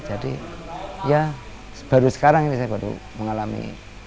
jadi ya baru sekarang ini saya baru mengalami